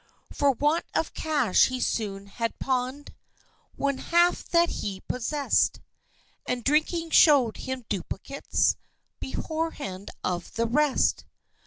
For want of cash he soon had pawn'd One half that he possessed, And drinking showed him duplicates Beforehand of the rest!